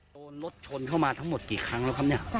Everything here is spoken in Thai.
โดนรถชนเข้ามาทั้งหมดกี่ครั้งแล้วครับเนี่ย